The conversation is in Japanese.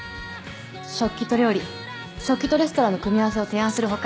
食器と料理食器とレストランの組み合わせを提案する他